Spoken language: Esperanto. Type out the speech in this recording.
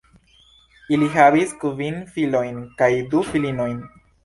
Ili havis kvin filojn kaj du filinojn.